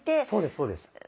そうですそうです。